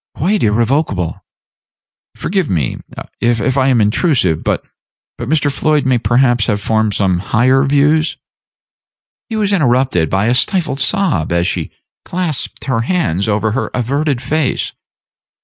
"Quite irrevocable." "Forgive me if I am intrusive; but but Mr. Floyd may perhaps have formed some higher views." He was interrupted by a stifled sob as she clasped her hands over her averted face.